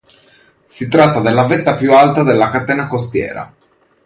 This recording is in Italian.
Si tratta della vetta più alta della Catena Costiera.